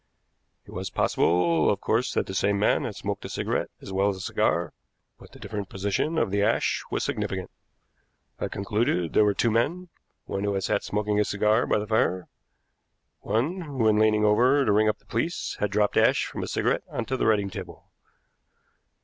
It was possible, of course, that the same man had smoked a cigarette as well as a cigar, but the different position of the ash was significant. I concluded there were two men, one who had sat smoking a cigar by the fire, one who, in leaning over to ring up the police, had dropped ash from a cigarette on to the writing table.